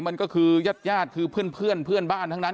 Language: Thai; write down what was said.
มันก็คือยาดคือเพื่อนบ้านทั้งนั้น